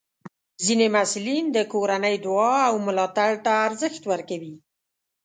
ځینې محصلین د کورنۍ دعا او ملاتړ ته ارزښت ورکوي.